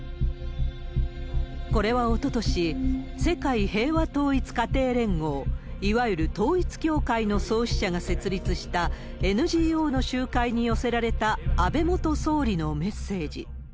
これはおととし、世界平和統一家庭連合いわゆる統一教会の創始者が設立した、ＮＧＯの集会に寄せられた安倍元総理のメッセージ。